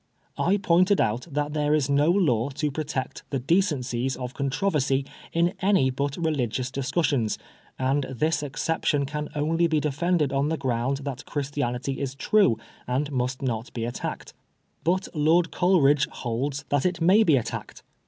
I pointed out that there is no law to protect the " decencies of controversy " in any but religious discussions, and this exception can only be defended oh the ground that Christianity is true and must not be attacked. But Lord Coleridge holds that it may be attacked.